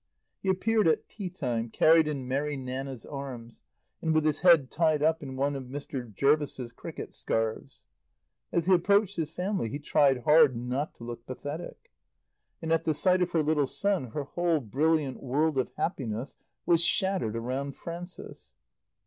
He appeared at tea time, carried in Mary Nanna's arms, and with his head tied up in one of Mr. Jervis's cricket scarves. As he approached his family he tried hard not to look pathetic. And at the sight of her little son her whole brilliant world of happiness was shattered around Frances.